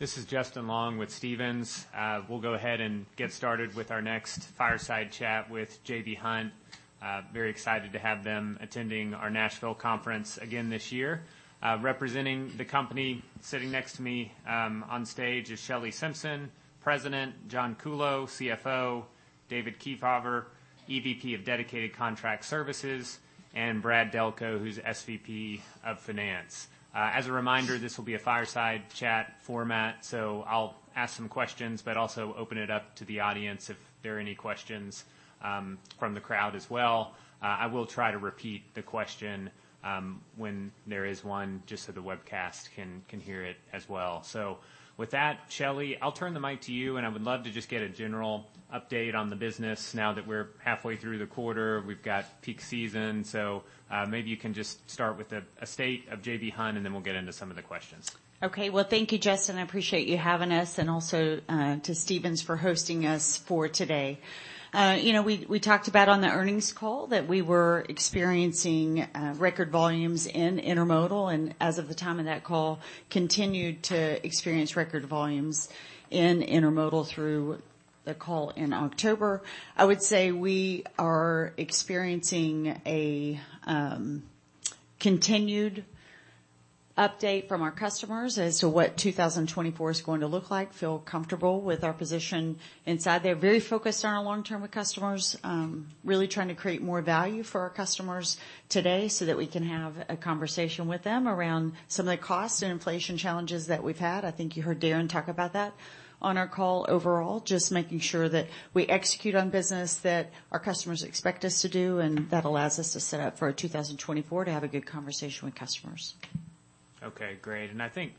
This is Justin Long with Stephens. We'll go ahead and get started with our next fireside chat with J.B. Hunt. Very excited to have them attending our Nashville conference again this year. Representing the company sitting next to me on stage is Shelley Simpson, President; John Kuhlow, CFO; David Kefauver, EVP of Dedicated Contract Services; and Brad Delco, who's SVP of Finance. As a reminder, this will be a fireside chat format, so I'll ask some questions but also open it up to the audience if there are any questions from the crowd as well. I will try to repeat the question when there is one just so the webcast can hear it as well. With that, Shelley, I'll turn the mic to you, and I would love to just get a general update on the business now that we're halfway through the quarter. We've got peak season, so maybe you can just start with a state of J.B. Hunt, and then we'll get into some of the questions. Okay. Thank you, Justin. I appreciate you having us, and also to Stephens for hosting us for today. We talked about on the earnings call that we were experiencing record volumes in intermodal, and as of the time of that call, continued to experience record volumes in intermodal through the call in October. I would say we are experiencing a continued update from our customers as to what 2024 is going to look like. Feel comfortable with our position inside. They're very focused on our long-term with customers, really trying to create more value for our customers today so that we can have a conversation with them around some of the cost and inflation challenges that we've had. I think you heard Darren talk about that on our call overall, just making sure that we execute on business that our customers expect us to do, and that allows us to set up for 2024 to have a good conversation with customers. Okay. Great. I think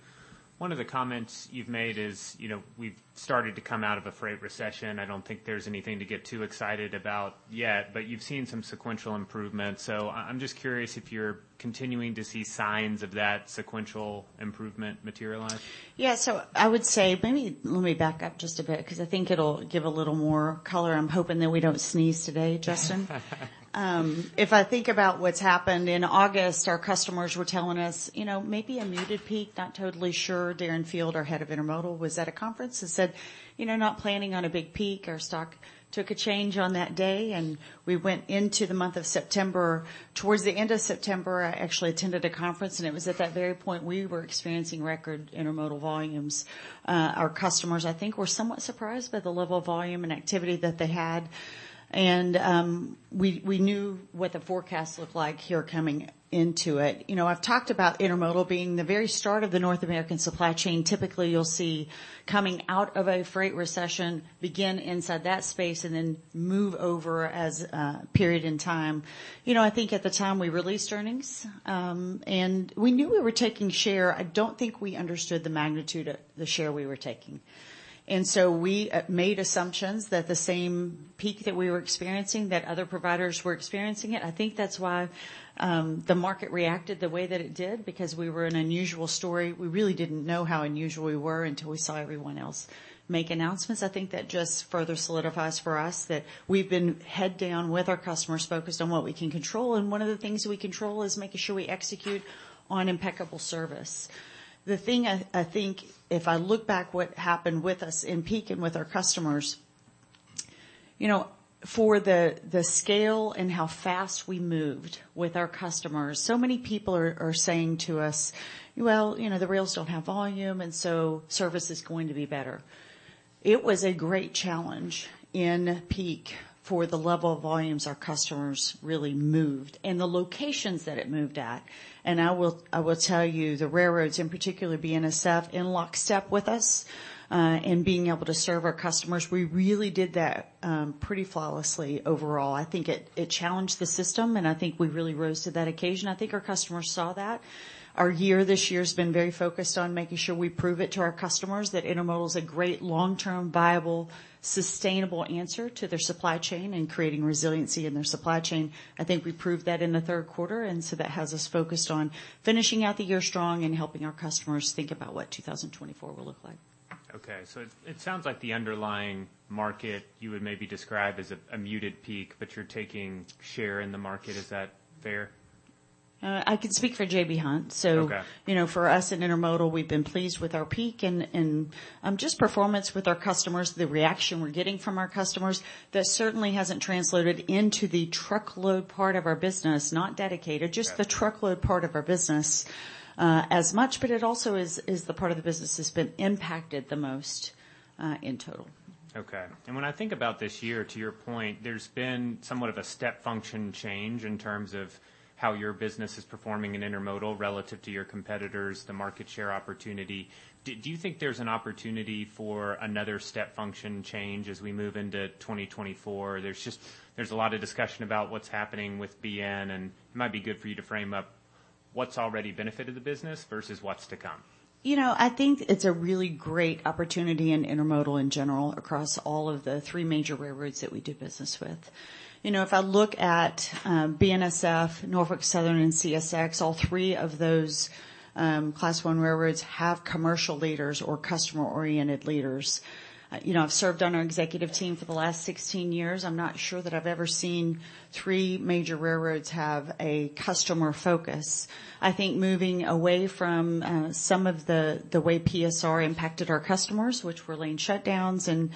one of the comments you've made is we've started to come out of a freight recession. I don't think there's anything to get too excited about yet, but you've seen some sequential improvements. I'm just curious if you're continuing to see signs of that sequential improvement materialize. Yeah. I would say maybe let me back up just a bit because I think it'll give a little more color. I'm hoping that we don't sneeze today, Justin. If I think about what's happened in August, our customers were telling us maybe a muted peak, not totally sure. Darren Field, our head of intermodal, was at a conference and said, "Not planning on a big peak. Our stock took a change on that day." We went into the month of September, towards the end of September, I actually attended a conference, and it was at that very point we were experiencing record intermodal volumes. Our customers, I think, were somewhat surprised by the level of volume and activity that they had, and we knew what the forecast looked like here coming into it. I've talked about intermodal being the very start of the North American supply chain. Typically, you'll see coming out of a freight recession, begin inside that space, and then move over as a period in time. I think at the time we released earnings, and we knew we were taking share. I don't think we understood the magnitude of the share we were taking. I think we made assumptions that the same peak that we were experiencing, that other providers were experiencing it. I think that's why the market reacted the way that it did because we were an unusual story. We really didn't know how unusual we were until we saw everyone else make announcements. I think that just further solidifies for us that we've been head down with our customers, focused on what we can control, and one of the things we control is making sure we execute on impeccable service. The thing I think if I look back what happened with us in peak and with our customers, for the scale and how fast we moved with our customers, so many people are saying to us, "Well, the rails do not have volume, and so service is going to be better." It was a great challenge in peak for the level of volumes our customers really moved and the locations that it moved at. I will tell you the railroads in particular, BNSF, in lockstep with us in being able to serve our customers. We really did that pretty flawlessly overall. I think it challenged the system, and I think we really rose to that occasion. I think our customers saw that. Our year this year has been very focused on making sure we prove it to our customers that intermodal is a great long-term, viable, sustainable answer to their supply chain and creating resiliency in their supply chain. I think we proved that in the third quarter, and that has us focused on finishing out the year strong and helping our customers think about what 2024 will look like. Okay. So it sounds like the underlying market you would maybe describe as a muted peak, but you're taking share in the market. Is that fair? I can speak for J.B. Hunt. For us in intermodal, we've been pleased with our peak and just performance with our customers, the reaction we're getting from our customers. That certainly hasn't translated into the truckload part of our business, not dedicated, just the truckload part of our business as much, but it also is the part of the business that's been impacted the most in total. Okay. When I think about this year, to your point, there's been somewhat of a step function change in terms of how your business is performing in intermodal relative to your competitors, the market share opportunity. Do you think there's an opportunity for another step function change as we move into 2024? There's a lot of discussion about what's happening with BNSF, and it might be good for you to frame up what's already benefited the business versus what's to come. I think it's a really great opportunity in intermodal in general across all of the three major railroads that we do business with. If I look at BNSF, Norfolk Southern, and CSX, all three of those Class I railroads have commercial leaders or customer-oriented leaders. I've served on our executive team for the last 16 years. I'm not sure that I've ever seen three major railroads have a customer focus. I think moving away from some of the way PSR impacted our customers, which were lane shutdowns, and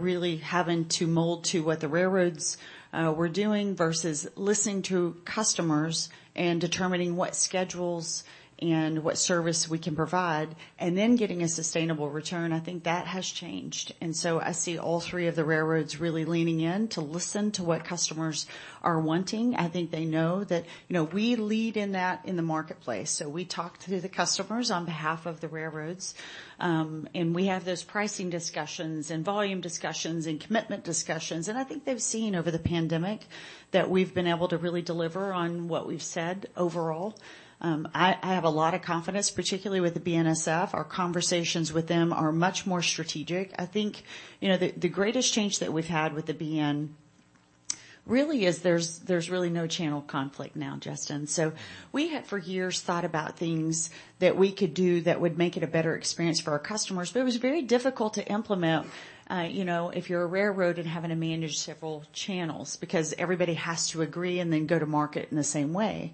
really having to mold to what the railroads were doing versus listening to customers and determining what schedules and what service we can provide and then getting a sustainable return, I think that has changed. I see all three of the railroads really leaning in to listen to what customers are wanting. I think they know that we lead in that in the marketplace. We talk to the customers on behalf of the railroads, and we have those pricing discussions and volume discussions and commitment discussions. I think they've seen over the pandemic that we've been able to really deliver on what we've said overall. I have a lot of confidence, particularly with the BNSF. Our conversations with them are much more strategic. I think the greatest change that we've had with the BN really is there's really no channel conflict now, Justin. We had for years thought about things that we could do that would make it a better experience for our customers, but it was very difficult to implement if you're a railroad and having to manage several channels because everybody has to agree and then go to market in the same way.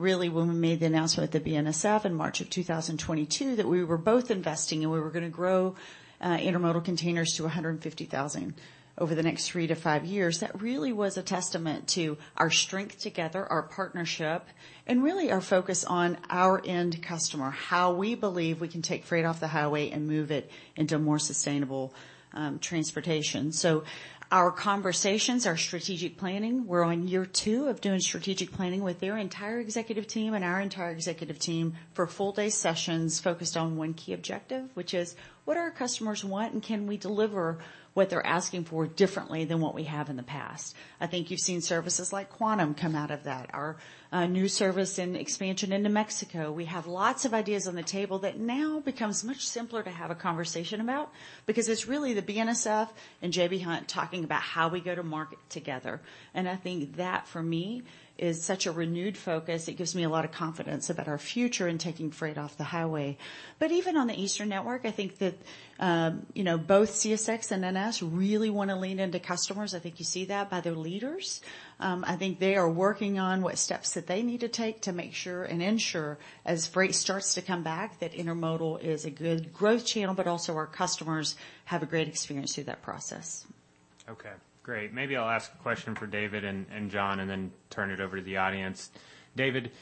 Really, when we made the announcement at the BNSF in March of 2022 that we were both investing and we were going to grow intermodal containers to 150,000 over the next three to five years, that really was a testament to our strength together, our partnership, and really our focus on our end customer, how we believe we can take freight off the highway and move it into more sustainable transportation. Our conversations, our strategic planning, we're on year two of doing strategic planning with their entire executive team and our entire executive team for full-day sessions focused on one key objective, which is what our customers want and can we deliver what they're asking for differently than what we have in the past. I think you've seen services like Quantum come out of that, our new service and expansion into Mexico. We have lots of ideas on the table that now becomes much simpler to have a conversation about because it is really the BNSF and J.B. Hunt talking about how we go to market together. I think that for me is such a renewed focus. It gives me a lot of confidence about our future in taking freight off the highway. Even on the Eastern Network, I think that both CSX and NS really want to lean into customers. I think you see that by their leaders. I think they are working on what steps that they need to take to make sure and ensure as freight starts to come back that intermodal is a good growth channel, but also our customers have a great experience through that process. Okay. Great. Maybe I'll ask a question for David and John and then turn it over to the audience. David,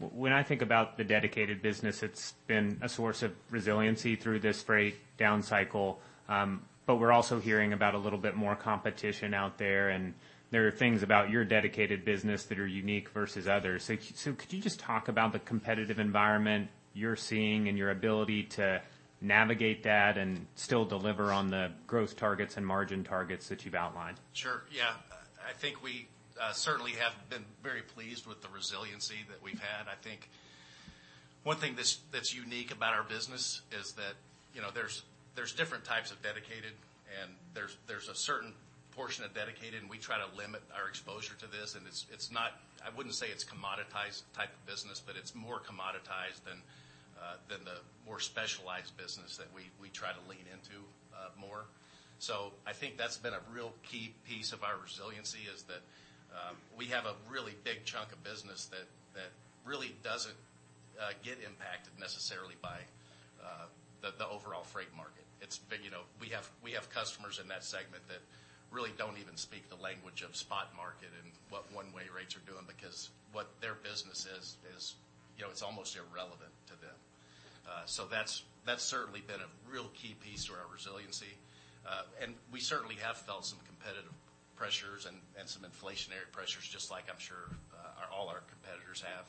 when I think about the dedicated business, it's been a source of resiliency through this freight down cycle, but we're also hearing about a little bit more competition out there, and there are things about your dedicated business that are unique versus others. Could you just talk about the competitive environment you're seeing and your ability to navigate that and still deliver on the growth targets and margin targets that you've outlined? Sure. Yeah. I think we certainly have been very pleased with the resiliency that we've had. I think one thing that's unique about our business is that there's different types of dedicated, and there's a certain portion of dedicated, and we try to limit our exposure to this. I wouldn't say it's commoditized type of business, but it's more commoditized than the more specialized business that we try to lean into more. I think that's been a real key piece of our resiliency is that we have a really big chunk of business that really doesn't get impacted necessarily by the overall freight market. We have customers in that segment that really don't even speak the language of spot market and what one-way rates are doing because what their business is, it's almost irrelevant to them. That's certainly been a real key piece to our resiliency. We certainly have felt some competitive pressures and some inflationary pressures, just like I'm sure all our competitors have.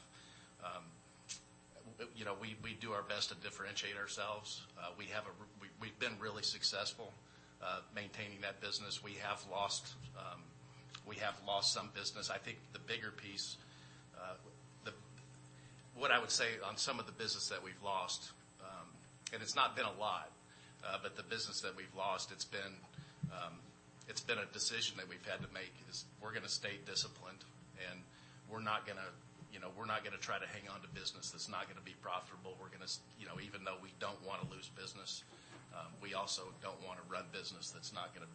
We do our best to differentiate ourselves. We've been really successful maintaining that business. We have lost some business. I think the bigger piece, what I would say on some of the business that we've lost, and it's not been a lot, but the business that we've lost, it's been a decision that we've had to make is we're going to stay disciplined, and we're not going to try to hang on to business that's not going to be profitable. We're going to, even though we don't want to lose business, we also don't want to run business that's not going to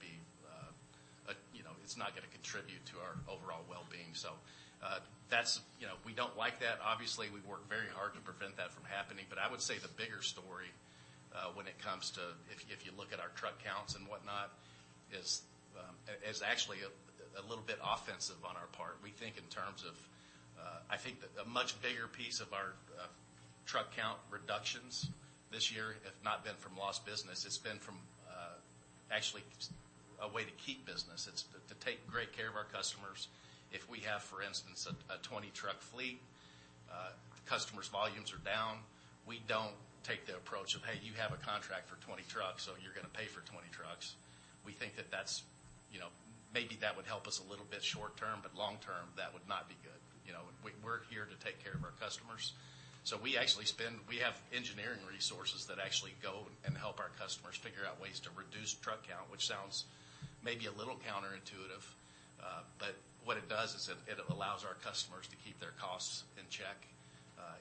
contribute to our overall well-being. We don't like that. Obviously, we work very hard to prevent that from happening, but I would say the bigger story when it comes to, if you look at our truck counts and whatnot, is actually a little bit offensive on our part. We think in terms of, I think a much bigger piece of our truck count reductions this year has not been from lost business. It's been from actually a way to keep business. It's to take great care of our customers. If we have, for instance, a 20-truck fleet, customers' volumes are down. We do not take the approach of, "Hey, you have a contract for 20 trucks, so you're going to pay for 20 trucks." We think that maybe that would help us a little bit short term, but long term, that would not be good. We're here to take care of our customers. We actually spend, we have engineering resources that actually go and help our customers figure out ways to reduce truck count, which sounds maybe a little counterintuitive, but what it does is it allows our customers to keep their costs in check.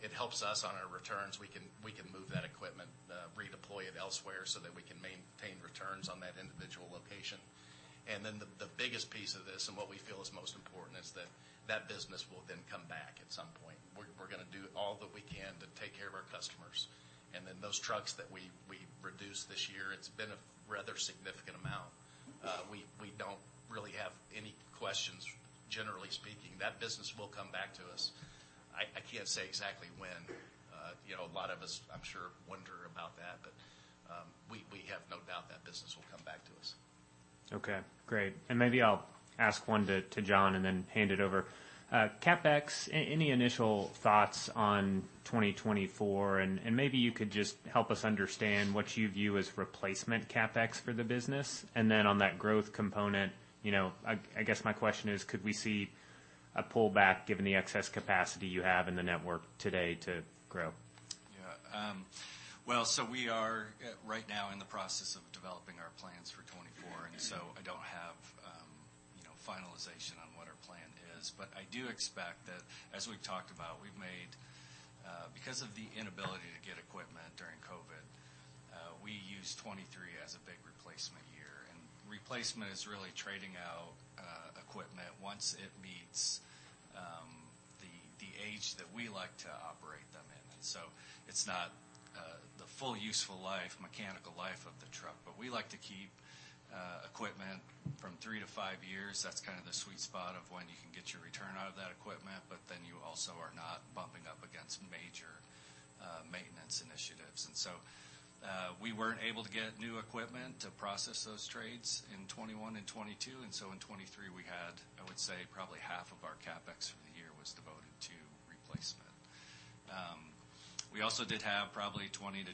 It helps us on our returns. We can move that equipment, redeploy it elsewhere so that we can maintain returns on that individual location. The biggest piece of this, and what we feel is most important, is that that business will then come back at some point. We are going to do all that we can to take care of our customers. Those trucks that we reduced this year, it has been a rather significant amount. We do not really have any questions, generally speaking. That business will come back to us. I cannot say exactly when. A lot of us, I'm sure, wonder about that, but we have no doubt that business will come back to us. Okay. Great. Maybe I'll ask one to John and then hand it over. CapEx, any initial thoughts on 2024? Maybe you could just help us understand what you view as replacement CapEx for the business. On that growth component, I guess my question is, could we see a pullback given the excess capacity you have in the network today to grow? Yeah. We are right now in the process of developing our plans for 2024, and I do not have finalization on what our plan is. I do expect that, as we have talked about, we have made, because of the inability to get equipment during COVID, we use 2023 as a big replacement year. Replacement is really trading out equipment once it meets the age that we like to operate them in. It is not the full useful life, mechanical life of the truck, but we like to keep equipment from three to five years. That is kind of the sweet spot of when you can get your return out of that equipment, but then you also are not bumping up against major maintenance initiatives. We were not able to get new equipment to process those trades in 2021 and 2022. In 2023, we had, I would say, probably half of our CapEx for the year was devoted to replacement. We also did have probably 20-25%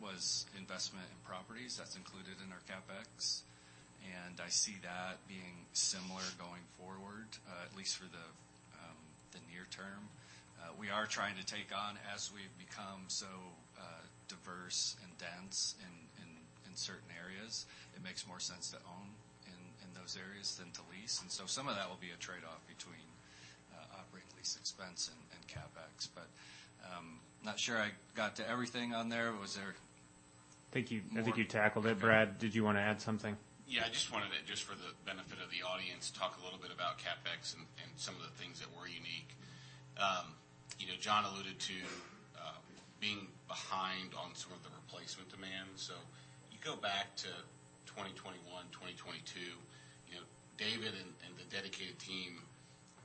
was investment in properties. That's included in our CapEx. I see that being similar going forward, at least for the near term. We are trying to take on as we become so diverse and dense in certain areas. It makes more sense to own in those areas than to lease. Some of that will be a trade-off between operating lease expense and CapEx. Not sure I got to everything on there. Was there? Thank you. I think you tackled it, Brad. Did you want to add something? Yeah. I just wanted to, just for the benefit of the audience, talk a little bit about CapEx and some of the things that were unique. John alluded to being behind on some of the replacement demand. You go back to 2021, 2022, David and the dedicated team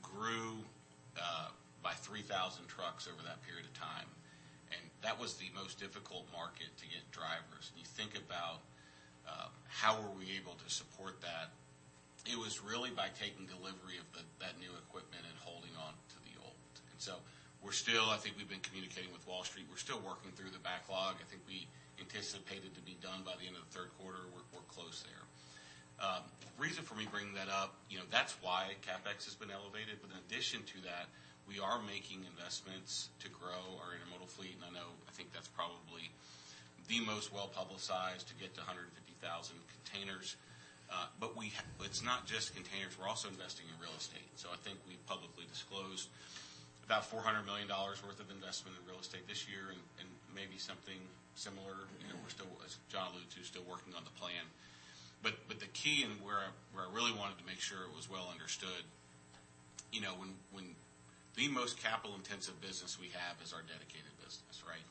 grew by 3,000 trucks over that period of time. That was the most difficult market to get drivers. You think about how were we able to support that? It was really by taking delivery of that new equipment and holding on to the old. We're still, I think we've been communicating with Wall Street. We're still working through the backlog. I think we anticipated to be done by the end of the third quarter. We're close there. Reason for me bringing that up, that's why CapEx has been elevated. In addition to that, we are making investments to grow our intermodal fleet. I think that's probably the most well-publicized to get to 150,000 containers. It's not just containers. We're also investing in real estate. I think we've publicly disclosed about $400 million worth of investment in real estate this year and maybe something similar. John Lewis is still working on the plan. The key and where I really wanted to make sure it was well understood, the most capital-intensive business we have is our dedicated business, right?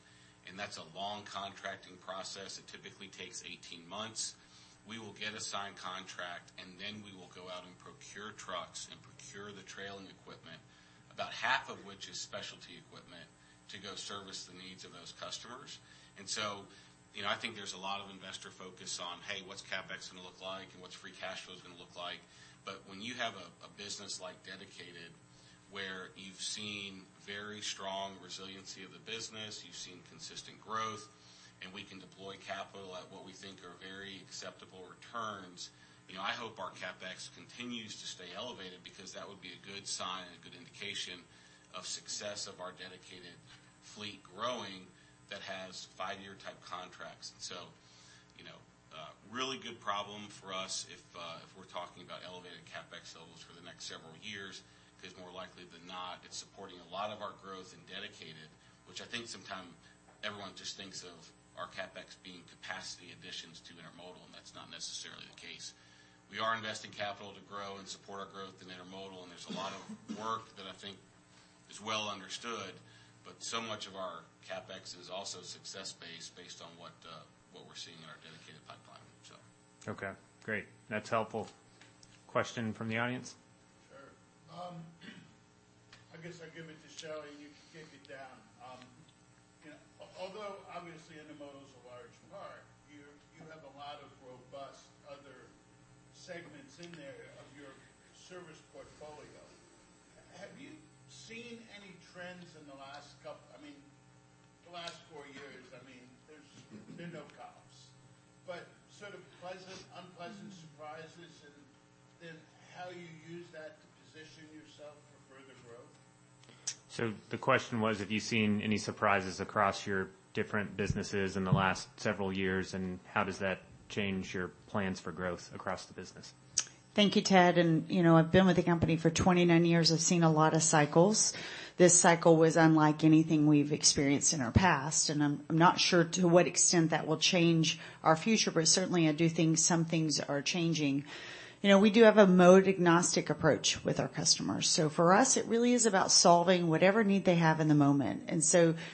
That's a long contracting process. It typically takes 18 months. We will get a signed contract, and then we will go out and procure trucks and procure the trailing equipment, about half of which is specialty equipment to go service the needs of those customers. I think there's a lot of investor focus on, "Hey, what's CapEx going to look like and what's free cash flow going to look like?" When you have a business like dedicated where you've seen very strong resiliency of the business, you've seen consistent growth, and we can deploy capital at what we think are very acceptable returns, I hope our CapEx continues to stay elevated because that would be a good sign and a good indication of success of our dedicated fleet growing that has five-year type contracts. Really good problem for us if we're talking about elevated CapEx levels for the next several years because more likely than not, it's supporting a lot of our growth in dedicated, which I think sometimes everyone just thinks of our CapEx being capacity additions to intermodal, and that's not necessarily the case. We are investing capital to grow and support our growth in intermodal, and there's a lot of work that I think is well understood, but so much of our CapEx is also success-based based on what we're seeing in our dedicated pipeline. Okay. Great. That's helpful. Question from the audience? Sure. I guess I give it to Shelley, and you can take it down. Although obviously intermodal is a large part, you have a lot of robust other segments in there of your service portfolio. Have you seen any trends in the last couple? I mean, the last four years, I mean, there's been no comps. But sort of pleasant, unpleasant surprises and then how you use that to position yourself for further growth? The question was, have you seen any surprises across your different businesses in the last several years, and how does that change your plans for growth across the business? Thank you, Ted. I have been with the company for 29 years. I have seen a lot of cycles. This cycle was unlike anything we have experienced in our past, and I am not sure to what extent that will change our future, but certainly I do think some things are changing. We do have a mode-agnostic approach with our customers. For us, it really is about solving whatever need they have in the moment.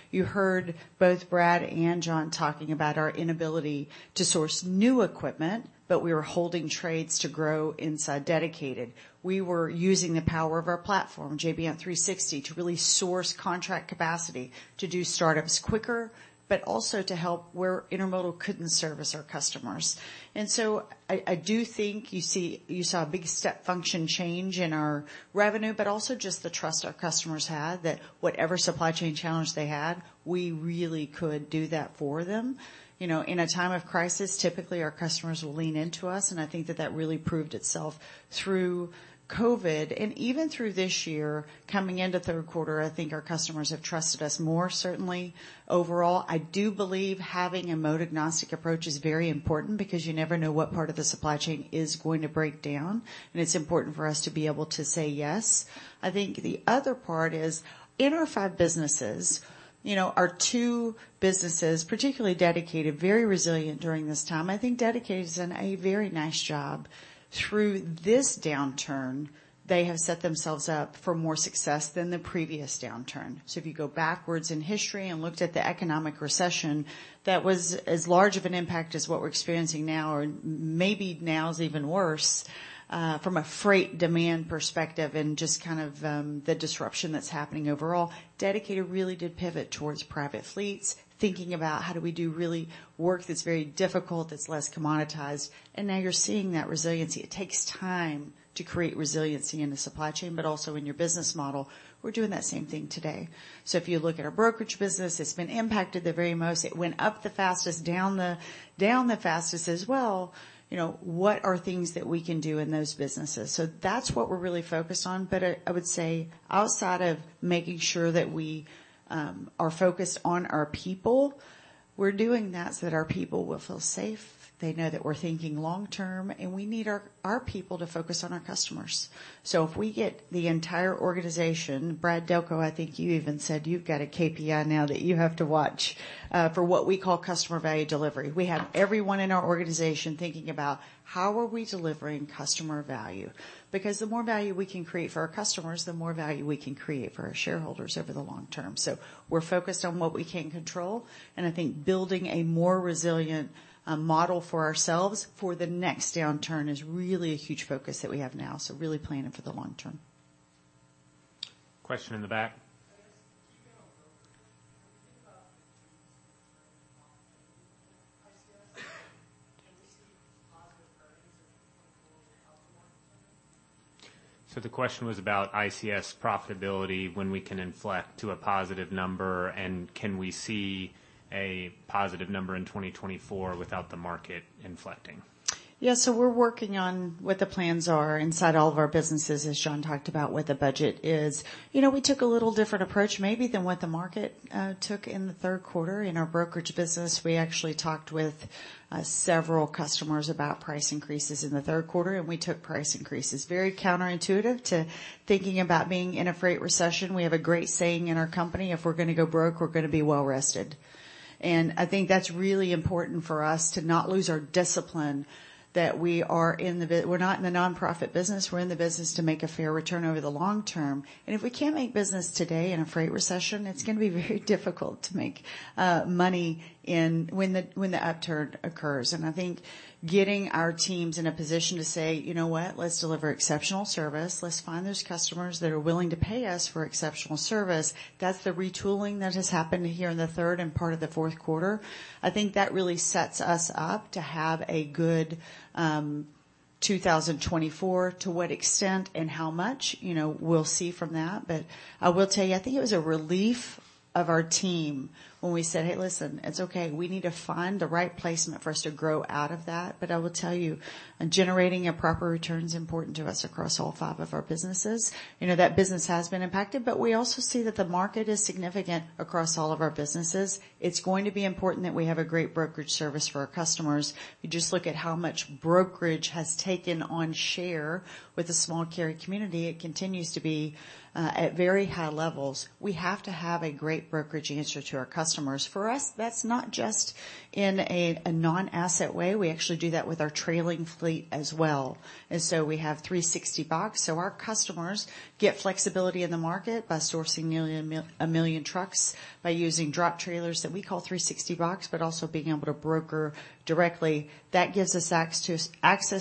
You heard both Brad and John talking about our inability to source new equipment, but we were holding trades to grow inside dedicated. We were using the power of our platform, JBM 360, to really source contract capacity to do startups quicker, but also to help where intermodal could not service our customers. I do think you saw a big step function change in our revenue, but also just the trust our customers had that whatever supply chain challenge they had, we really could do that for them. In a time of crisis, typically our customers will lean into us, and I think that that really proved itself through COVID and even through this year. Coming into third quarter, I think our customers have trusted us more certainly. Overall, I do believe having a mode-agnostic approach is very important because you never know what part of the supply chain is going to break down, and it's important for us to be able to say yes. I think the other part is in our five businesses, our two businesses, particularly dedicated, very resilient during this time. I think dedicated has done a very nice job. Through this downturn, they have set themselves up for more success than the previous downturn. If you go backwards in history and looked at the economic recession, that was as large of an impact as what we are experiencing now, or maybe now is even worse from a freight demand perspective and just kind of the disruption that is happening overall. Dedicated really did pivot towards private fleets, thinking about how do we do really work that is very difficult, that is less commoditized. Now you are seeing that resiliency. It takes time to create resiliency in the supply chain, but also in your business model. We are doing that same thing today. If you look at our brokerage business, it has been impacted the very most. It went up the fastest, down the fastest as well. What are things that we can do in those businesses? That is what we are really focused on. I would say outside of making sure that we are focused on our people, we're doing that so that our people will feel safe. They know that we're thinking long-term, and we need our people to focus on our customers. If we get the entire organization, Brad Delco, I think you even said you've got a KPI now that you have to watch for what we call customer value delivery. We have everyone in our organization thinking about how are we delivering customer value? The more value we can create for our customers, the more value we can create for our shareholders over the long term. We're focused on what we can control. I think building a more resilient model for ourselves for the next downturn is really a huge focus that we have now. Really planning for the long term. Question in the back. The question was about ICS profitability, when we can inflect to a positive number, and can we see a positive number in 2024 without the market inflecting? Yeah. We are working on what the plans are inside all of our businesses, as John talked about, what the budget is. We took a little different approach maybe than what the market took in the third quarter. In our brokerage business, we actually talked with several customers about price increases in the third quarter, and we took price increases. Very counterintuitive to thinking about being in a freight recession. We have a great saying in our company, "If we are going to go broke, we are going to be well-rested." I think that is really important for us to not lose our discipline that we are in the we are not in the nonprofit business. We are in the business to make a fair return over the long term. If we cannot make business today in a freight recession, it is going to be very difficult to make money when the upturn occurs. I think getting our teams in a position to say, "You know what? Let's deliver exceptional service. Let's find those customers that are willing to pay us for exceptional service." That is the retooling that has happened here in the third and part of the fourth quarter. I think that really sets us up to have a good 2024, to what extent and how much we will see from that. I will tell you, I think it was a relief for our team when we said, "Hey, listen, it's okay. We need to find the right placement for us to grow out of that." I will tell you, generating a proper return is important to us across all five of our businesses. That business has been impacted, but we also see that the market is significant across all of our businesses. It's going to be important that we have a great brokerage service for our customers. You just look at how much brokerage has taken on share with a small carry community. It continues to be at very high levels. We have to have a great brokerage answer to our customers. For us, that's not just in a non-asset way. We actually do that with our trailing fleet as well. We have 360 box. Our customers get flexibility in the market by sourcing nearly a million trucks, by using drop trailers that we call 360 box, but also being able to broker directly. That gives us access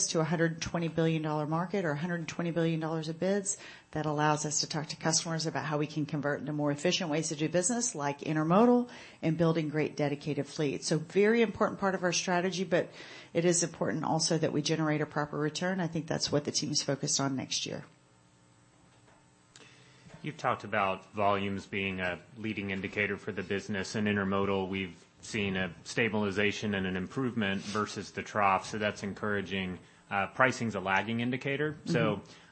to a $120 billion market or $120 billion of bids that allows us to talk to customers about how we can convert into more efficient ways to do business, like intermodal and building great dedicated fleets. A very important part of our strategy, but it is important also that we generate a proper return. I think that's what the team is focused on next year. You've talked about volumes being a leading indicator for the business. In intermodal, we've seen a stabilization and an improvement versus the trough. That is encouraging. Pricing is a lagging indicator.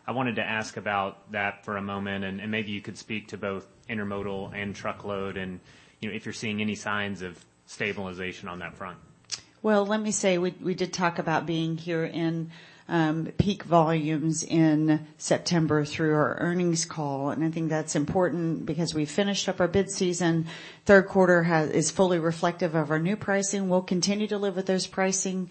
I wanted to ask about that for a moment, and maybe you could speak to both intermodal and truckload and if you're seeing any signs of stabilization on that front. We did talk about being here in peak volumes in September through our earnings call. I think that's important because we finished up our bid season. Third quarter is fully reflective of our new pricing. We'll continue to live with those pricing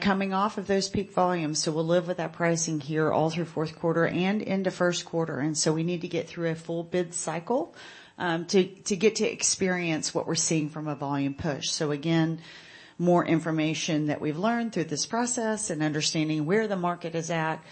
coming off of those peak volumes. We'll live with that pricing here all through fourth quarter and into first quarter. We need to get through a full bid cycle to get to experience what we're seeing from a volume push. Again, more information that we've learned through this process and understanding where the market is at,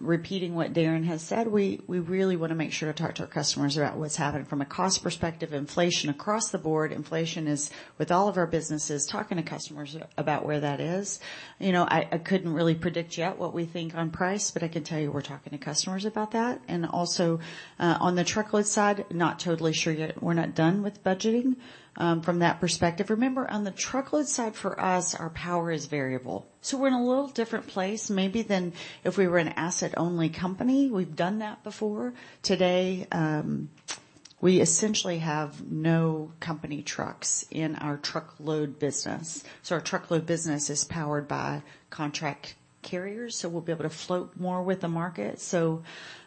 repeating what Darren has said, we really want to make sure to talk to our customers about what's happened from a cost perspective. Inflation across the board. Inflation is with all of our businesses talking to customers about where that is. I couldn't really predict yet what we think on price, but I can tell you we're talking to customers about that. Also on the truckload side, not totally sure yet. We're not done with budgeting from that perspective. Remember, on the truckload side for us, our power is variable. We're in a little different place maybe than if we were an asset-only company. We've done that before. Today, we essentially have no company trucks in our truckload business. Our truckload business is powered by contract carriers, so we'll be able to float more with the market.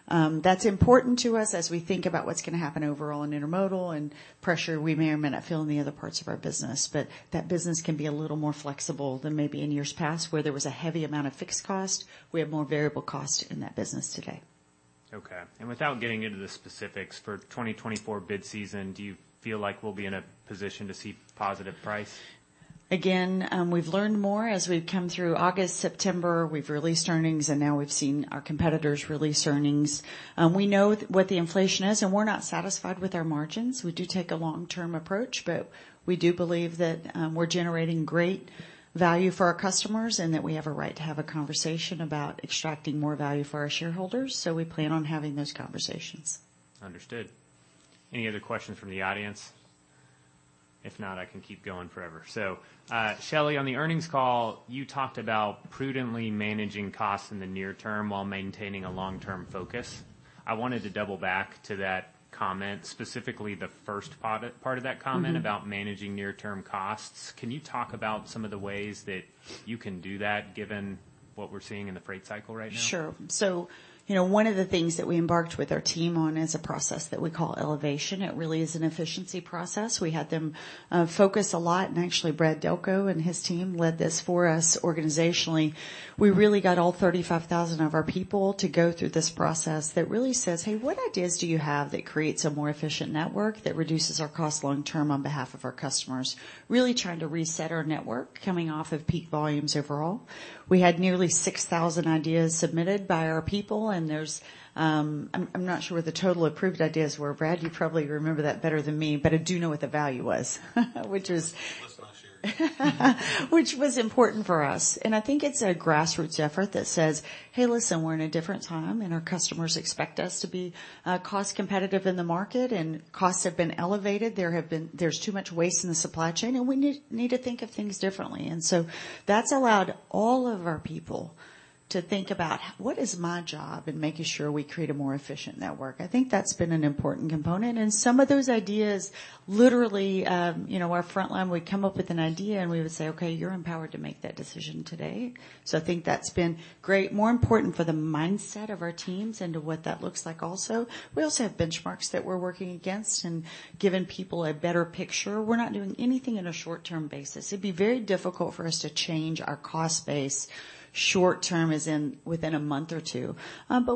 That's important to us as we think about what's going to happen overall in intermodal and pressure we may or may not feel in the other parts of our business. That business can be a little more flexible than maybe in years past where there was a heavy amount of fixed cost. We have more variable cost in that business today. Okay. Without getting into the specifics for 2024 bid season, do you feel like we'll be in a position to see positive price? Again, we've learned more as we've come through August, September. We've released earnings, and now we've seen our competitors release earnings. We know what the inflation is, and we're not satisfied with our margins. We do take a long-term approach, but we do believe that we're generating great value for our customers and that we have a right to have a conversation about extracting more value for our shareholders. We plan on having those conversations. Understood. Any other questions from the audience? If not, I can keep going forever. Shelley, on the earnings call, you talked about prudently managing costs in the near term while maintaining a long-term focus. I wanted to double back to that comment, specifically the first part of that comment about managing near-term costs. Can you talk about some of the ways that you can do that given what we're seeing in the freight cycle right now? Sure. One of the things that we embarked with our team on is a process that we call elevation. It really is an efficiency process. We had them focus a lot, and actually Brad Delco and his team led this for us organizationally. We really got all 35,000 of our people to go through this process that really says, "Hey, what ideas do you have that creates a more efficient network that reduces our cost long-term on behalf of our customers?" Really trying to reset our network coming off of peak volumes overall. We had nearly 6,000 ideas submitted by our people, and I'm not sure what the total approved ideas were. Brad, you probably remember that better than me, but I do know what the value was, which is. It was last year. Which was important for us. I think it's a grassroots effort that says, "Hey, listen, we're in a different time, and our customers expect us to be cost competitive in the market, and costs have been elevated. There's too much waste in the supply chain, and we need to think of things differently." That has allowed all of our people to think about what is my job and making sure we create a more efficient network. I think that's been an important component. Some of those ideas, literally our frontline, we'd come up with an idea and we would say, "Okay, you're empowered to make that decision today." I think that's been great. More important for the mindset of our teams and to what that looks like also. We also have benchmarks that we're working against and giving people a better picture. We're not doing anything on a short-term basis. It'd be very difficult for us to change our cost base short-term within a month or two.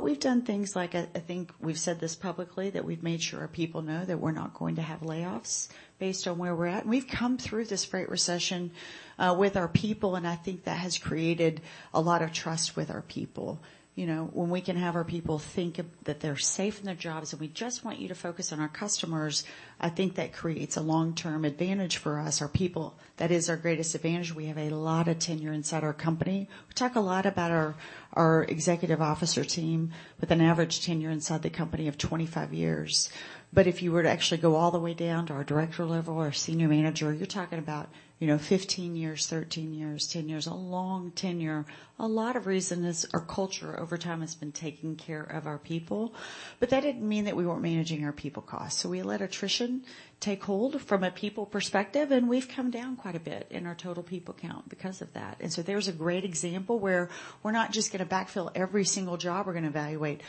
We've done things like, I think we've said this publicly, that we've made sure our people know that we're not going to have layoffs based on where we're at. We've come through this freight recession with our people, and I think that has created a lot of trust with our people. When we can have our people think that they're safe in their jobs and we just want you to focus on our customers, I think that creates a long-term advantage for us, our people. That is our greatest advantage. We have a lot of tenure inside our company. We talk a lot about our executive officer team with an average tenure inside the company of 25 years. If you were to actually go all the way down to our director level or senior manager, you're talking about 15 years, 13 years, 10 years, a long tenure. A lot of reasons our culture over time has been taking care of our people, but that didn't mean that we weren't managing our people costs. We let attrition take hold from a people perspective, and we've come down quite a bit in our total people count because of that. There's a great example where we're not just going to backfill every single job. We're going to evaluate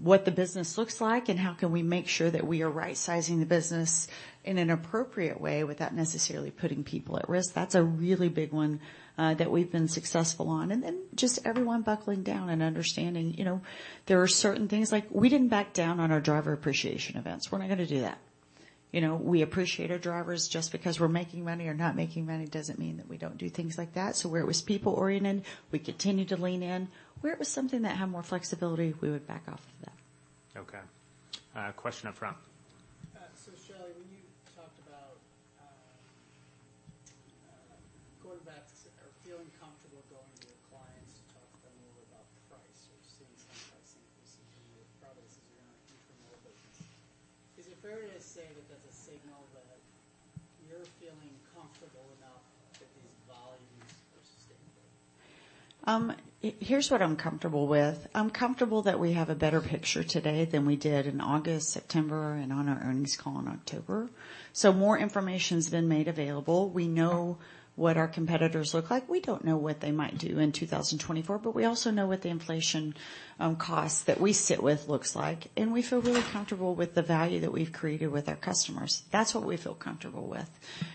what the business looks like and how can we make sure that we are right-sizing the business in an appropriate way without necessarily putting people at risk. That's a really big one that we've been successful on. Everyone buckled down and understood there are certain things, like we did not back down on our driver appreciation events. We are not going to do that. We appreciate our drivers. Just because we are making money or not making money does not mean that we do not do things like that. Where it was people-oriented, we continued to lean in. Where it was something that had more flexibility, we would back off of that. Okay. Question up front. what our competitors look like. We don't know what they might do in 2024, but we also know what the inflation costs that we sit with looks like. We feel really comfortable with the value that we've created with our customers. That's what we feel comfortable with.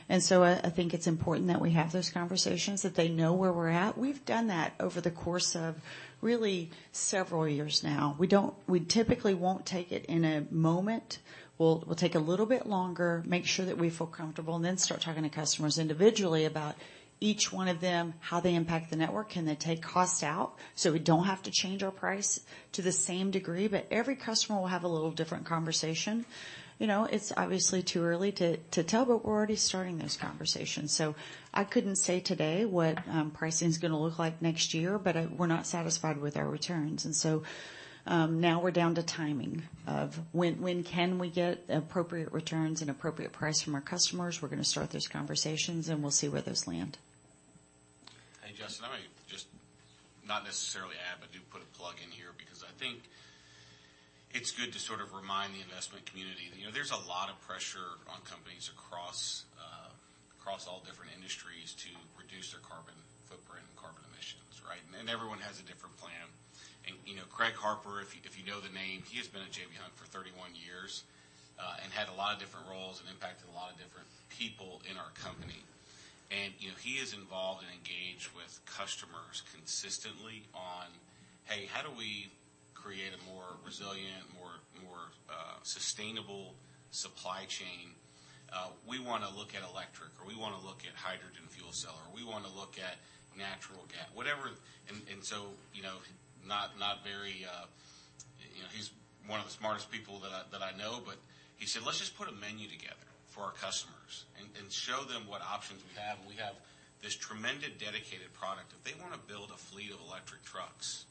I think it's important that we have those conversations, that they know where we're at. We've done that over the course of really several years now. We typically won't take it in a moment. We'll take a little bit longer, make sure that we feel comfortable, and then start talking to customers individually about each one of them, how they impact the network. Can they take costs out so we do not have to change our price to the same degree? Every customer will have a little different conversation. It is obviously too early to tell, but we are already starting those conversations. I could not say today what pricing is going to look like next year, but we are not satisfied with our returns. Now we are down to timing of when can we get appropriate returns and appropriate price from our customers. We are going to start those conversations, and we will see where those land. Hey, Justin, I'm going to just not necessarily add, but do put a plug in here because I think it's good to sort of remind the investment community that there's a lot of pressure on companies across all different industries to reduce their carbon footprint and carbon emissions, right? Everyone has a different plan. Craig Harper, if you know the name, he has been at J.B. Hunt for 31 years and had a lot of different roles and impacted a lot of different people in our company. He is involved and engaged with customers consistently on, "Hey, how do we create a more resilient, more sustainable supply chain? We want to look at electric, or we want to look at hydrogen fuel cell, or we want to look at natural gas," whatever. Not very, he's one of the smartest people that I know, but he said, "Let's just put a menu together for our customers and show them what options we have." We have this tremendous dedicated product. If they want to build a fleet of electric trucks,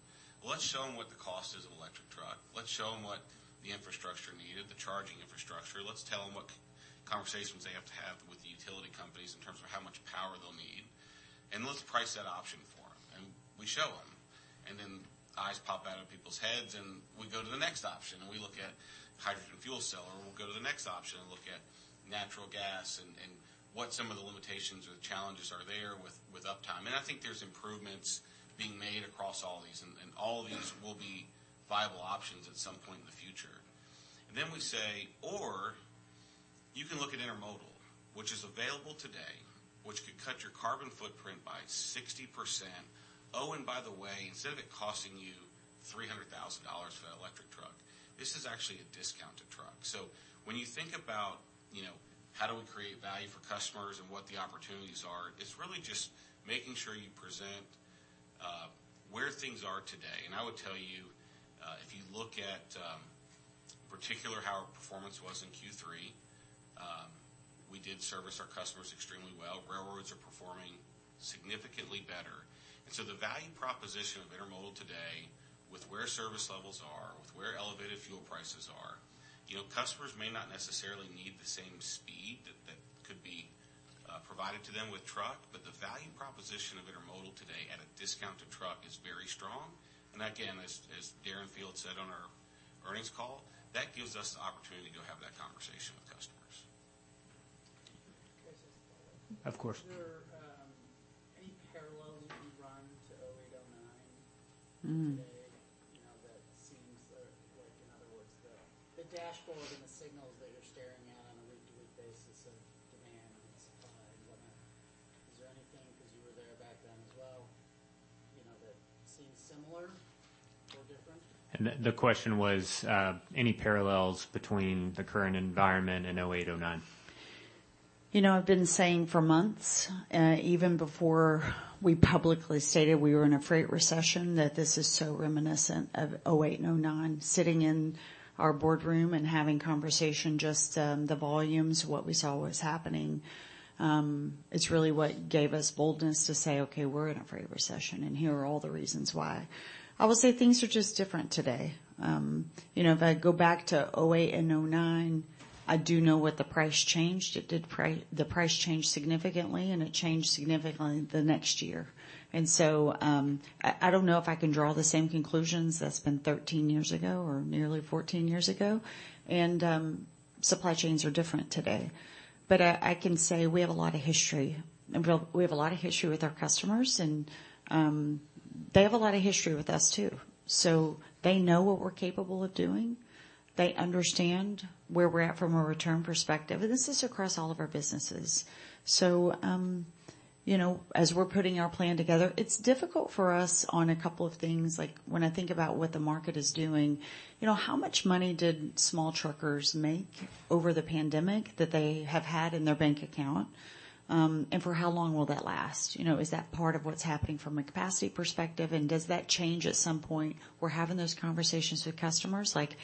let's show them what the cost is of an electric truck. Let's show them what the infrastructure needed, the charging infrastructure. Let's tell them what conversations they have to have with the utility companies in terms of how much power they'll need. Let's price that option for them. We show them, and then eyes pop out of people's heads, and we go to the next option. We look at hydrogen fuel cell, or we'll go to the next option and look at natural gas and what some of the limitations or the challenges are there with uptime. I think there are improvements being made across all these, and all these will be viable options at some point in the future. You can look at intermodal, which is available today, which could cut your carbon footprint by 60%. Oh, and by the way, instead of it costing you $300,000 for an electric truck, this is actually a discounted truck. When you think about how we create value for customers and what the opportunities are, it is really just making sure you present where things are today. I would tell you, if you look at particular how our performance was in Q3, we did service our customers extremely well. Railroads are performing significantly better. The value proposition of intermodal today with where service levels are, with where elevated fuel prices are, customers may not necessarily need the same speed that could be provided to them with truck, but the value proposition of intermodal today at a discounted truck is very strong. Again, as Darren Field said on our earnings call, that gives us the opportunity to have that conversation with customers. Of course. Are there any parallels you can run to 2008-2009 today that seems like, in other words, the dashboard and the signals that you're staring at on a week-to-week basis of demand and supply and whatnot? Is there anything, because you were there back then as well, that seems similar or different? The question was, any parallels between the current environment and 2008-2009? I've been saying for months, even before we publicly stated we were in a freight recession, that this is so reminiscent of 2008-2009. Sitting in our boardroom and having conversation, just the volumes, what we saw was happening. It's really what gave us boldness to say, "Okay, we're in a freight recession, and here are all the reasons why." I will say things are just different today. If I go back to 2008-2009, I do know what the price changed. The price changed significantly, and it changed significantly the next year. I don't know if I can draw the same conclusions that's been 13 years ago or nearly 14 years ago. Supply chains are different today. I can say we have a lot of history. We have a lot of history with our customers, and they have a lot of history with us too. They know what we're capable of doing. They understand where we're at from a return perspective. This is across all of our businesses. As we're putting our plan together, it's difficult for us on a couple of things. When I think about what the market is doing, how much money did small truckers make over the pandemic that they have had in their bank account? For how long will that last? Is that part of what's happening from a capacity perspective? Does that change at some point? We're having those conversations with customers like,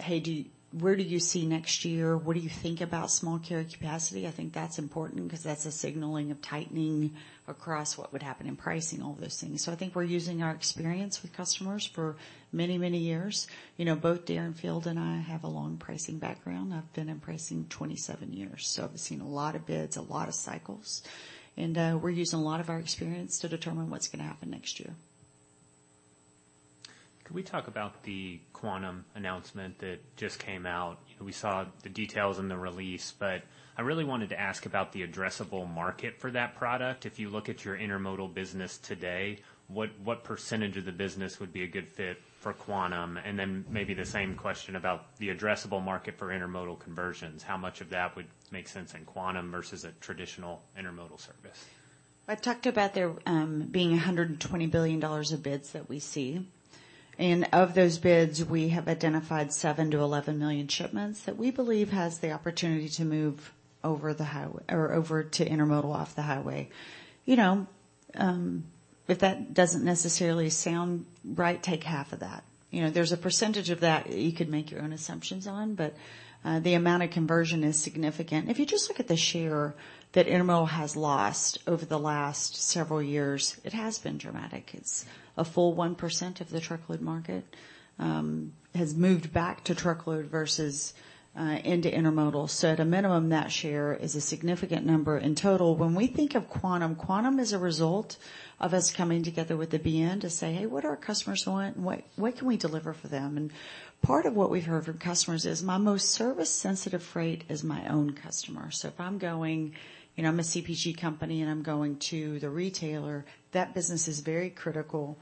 "Hey, where do you see next year? What do you think about small carrier capacity?" I think that's important because that's a signaling of tightening across what would happen in pricing, all those things. I think we're using our experience with customers for many, many years. Both Darren Field and I have a long pricing background. I've been in pricing 27 years. I've seen a lot of bids, a lot of cycles. We're using a lot of our experience to determine what's going to happen next year. Can we talk about the Quantum announcement that just came out? We saw the details in the release, but I really wanted to ask about the addressable market for that product. If you look at your intermodal business today, what percentage of the business would be a good fit for Quantum? Maybe the same question about the addressable market for intermodal conversions. How much of that would make sense in Quantum versus a traditional intermodal service? I talked about there being $120 billion of bids that we see. And of those bids, we have identified 7-11 million shipments that we believe has the opportunity to move over to intermodal off the highway. If that doesn't necessarily sound right, take half of that. There's a percentage of that you could make your own assumptions on, but the amount of conversion is significant. If you just look at the share that intermodal has lost over the last several years, it has been dramatic. It's a full 1% of the truckload market has moved back to truckload versus into intermodal. So at a minimum, that share is a significant number in total. When we think of Quantum, Quantum is a result of us coming together with the BNSF to say, "Hey, what do our customers want? What can we deliver for them? Part of what we've heard from customers is, "My most service-sensitive freight is my own customer." If I'm a CPG company, and I'm going to the retailer, that business is very critical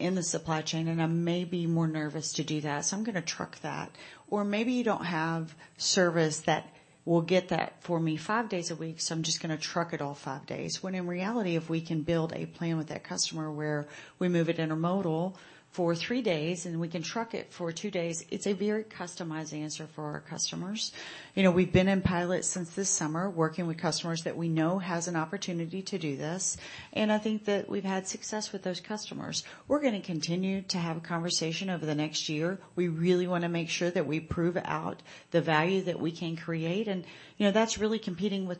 in the supply chain, and I may be more nervous to do that. I'm going to truck that. Maybe you do not have service that will get that for me five days a week, so I'm just going to truck it all five days. In reality, if we can build a plan with that customer where we move it intermodal for three days and we can truck it for two days, it's a very customized answer for our customers. We've been in pilots since this summer working with customers that we know has an opportunity to do this. I think that we've had success with those customers. We're going to continue to have a conversation over the next year. We really want to make sure that we prove out the value that we can create. That is really competing with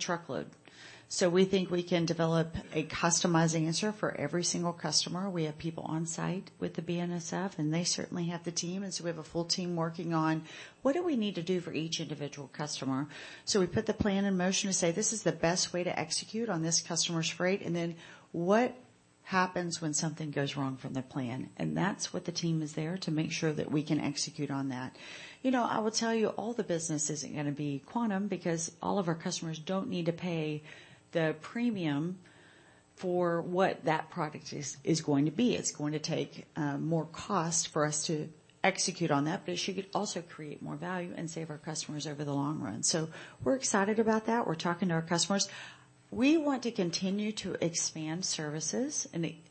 truckload. We think we can develop a customized answer for every single customer. We have people on site with the BNSF, and they certainly have the team. We have a full team working on what do we need to do for each individual customer. We put the plan in motion to say, "This is the best way to execute on this customer's freight." What happens when something goes wrong from the plan? That is what the team is there to make sure that we can execute on that. I will tell you, all the business isn't going to be Quantum because all of our customers don't need to pay the premium for what that product is going to be. It's going to take more cost for us to execute on that, but it should also create more value and save our customers over the long run. We are excited about that. We are talking to our customers. We want to continue to expand services.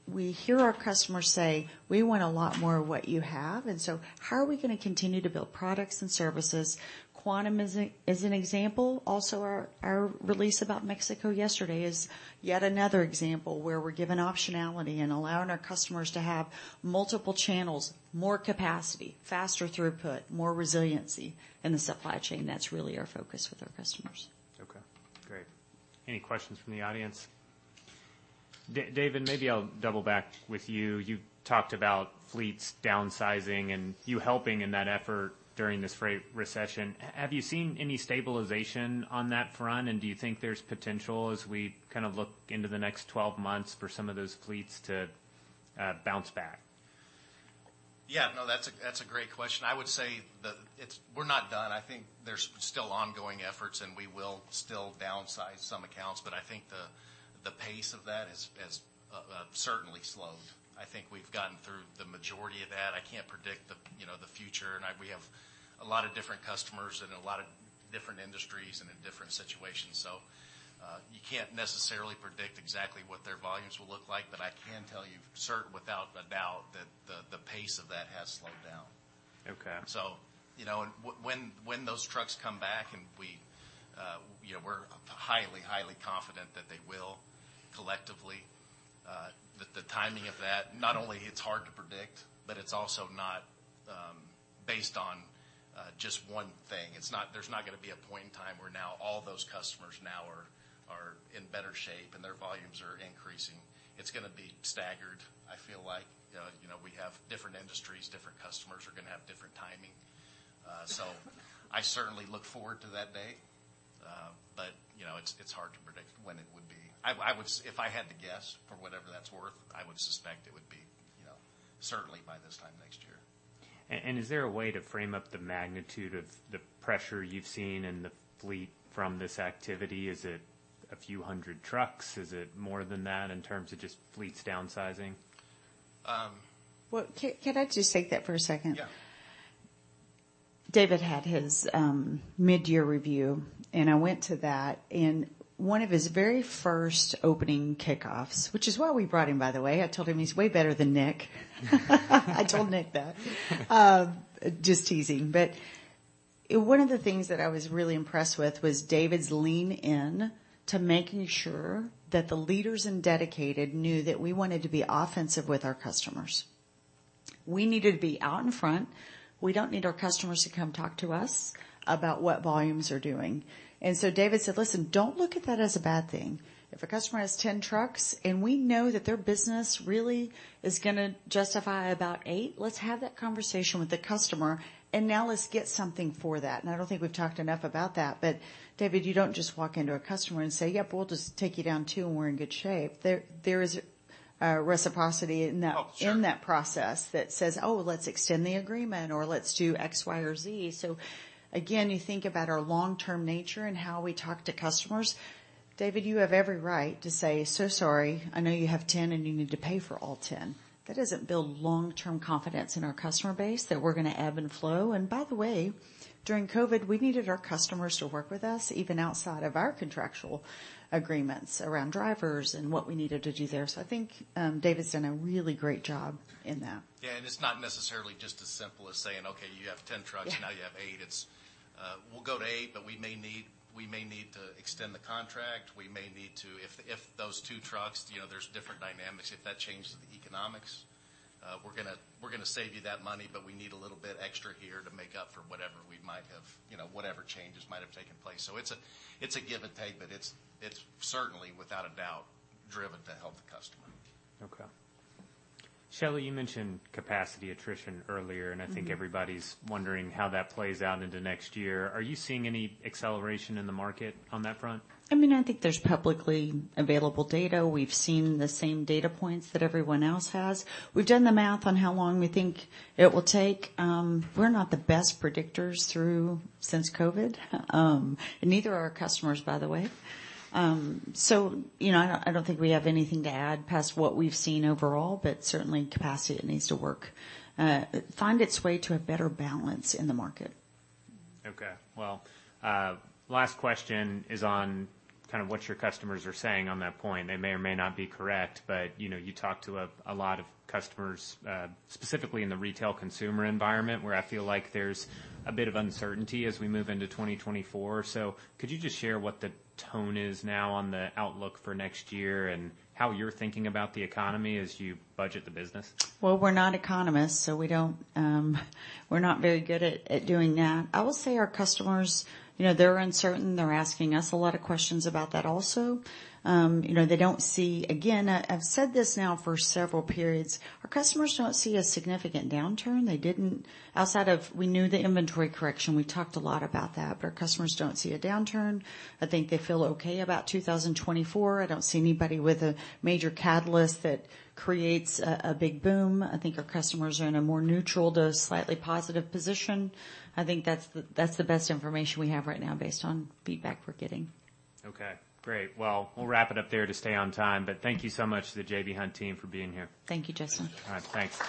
We hear our customers say, "We want a lot more of what you have." How are we going to continue to build products and services? Quantum is an example. Also, our release about Mexico yesterday is yet another example where we are giving optionality and allowing our customers to have multiple channels, more capacity, faster throughput, more resiliency in the supply chain. That is really our focus with our customers. Okay. Great. Any questions from the audience? David, maybe I'll double back with you. You talked about fleets downsizing and you helping in that effort during this freight recession. Have you seen any stabilization on that front? Do you think there's potential as we kind of look into the next 12 months for some of those fleets to bounce back? Yeah. No, that's a great question. I would say we're not done. I think there's still ongoing efforts, and we will still downsize some accounts. I think the pace of that has certainly slowed. I think we've gotten through the majority of that. I can't predict the future. We have a lot of different customers and a lot of different industries and in different situations. You can't necessarily predict exactly what their volumes will look like. I can tell you without a doubt that the pace of that has slowed down. When those trucks come back, and we're highly, highly confident that they will collectively, the timing of that, not only it's hard to predict, but it's also not based on just one thing. There's not going to be a point in time where now all those customers now are in better shape and their volumes are increasing. It's going to be staggered, I feel like. We have different industries, different customers are going to have different timing. I certainly look forward to that day. It's hard to predict when it would be. If I had to guess, for whatever that's worth, I would suspect it would be certainly by this time next year. Is there a way to frame up the magnitude of the pressure you've seen in the fleet from this activity? Is it a few hundred trucks? Is it more than that in terms of just fleets downsizing? Can I just take that for a second? Yeah. David had his mid-year review, and I went to that. One of his very first opening kickoffs, which is why we brought him, by the way, I told him he's way better than Nick. I told Nick that. Just teasing. One of the things that I was really impressed with was David's lean-in to making sure that the leaders in dedicated knew that we wanted to be offensive with our customers. We needed to be out in front. We don't need our customers to come talk to us about what volumes are doing. David said, "Listen, don't look at that as a bad thing. If a customer has 10 trucks and we know that their business really is going to justify about 8, let's have that conversation with the customer. Now let's get something for that." I don't think we've talked enough about that. David, you do not just walk into a customer and say, "Yep, we will just take you down two and we are in good shape." There is a reciprocity in that process that says, "Oh, let us extend the agreement or let us do X, Y, or Z." Again, you think about our long-term nature and how we talk to customers. David, you have every right to say, "So sorry. I know you have 10 and you need to pay for all 10." That does not build long-term confidence in our customer base that we are going to ebb and flow. By the way, during COVID, we needed our customers to work with us even outside of our contractual agreements around drivers and what we needed to do there. I think David has done a really great job in that. Yeah. It is not necessarily just as simple as saying, "Okay, you have 10 trucks. Now you have 8." It is, "We will go to 8, but we may need to extend the contract. We may need to if those two trucks, there are different dynamics. If that changes the economics, we are going to save you that money, but we need a little bit extra here to make up for whatever we might have, whatever changes might have taken place." It is a give and take, but it is certainly, without a doubt, driven to help the customer. Okay. Shelley, you mentioned capacity attrition earlier, and I think everybody's wondering how that plays out into next year. Are you seeing any acceleration in the market on that front? I mean, I think there's publicly available data. We've seen the same data points that everyone else has. We've done the math on how long we think it will take. We're not the best predictors since COVID. Neither are our customers, by the way. I don't think we have anything to add past what we've seen overall, but certainly capacity needs to work find its way to a better balance in the market. Okay. Last question is on kind of what your customers are saying on that point. They may or may not be correct, but you talked to a lot of customers, specifically in the retail consumer environment, where I feel like there's a bit of uncertainty as we move into 2024. Could you just share what the tone is now on the outlook for next year and how you're thinking about the economy as you budget the business? We're not economists, so we're not very good at doing that. I will say our customers, they're uncertain. They're asking us a lot of questions about that also. They don't see again, I've said this now for several periods. Our customers don't see a significant downturn. Outside of we knew the inventory correction. We talked a lot about that, but our customers don't see a downturn. I think they feel okay about 2024. I don't see anybody with a major catalyst that creates a big boom. I think our customers are in a more neutral to slightly positive position. I think that's the best information we have right now based on feedback we're getting. Okay. Great. We'll wrap it up there to stay on time. Thank you so much to the J.B. Hunt team for being here. Thank you, Jason. All right. Thanks.